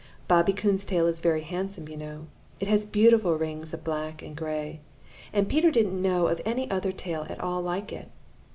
Bobby Coon's tail is very handsome, you know. It has beautiful rings of black and gray, and Peter didn't know of any other tail at all like it.